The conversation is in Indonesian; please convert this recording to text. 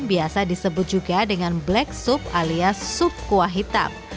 biasa disebut juga dengan black soup alias soup kuah hitam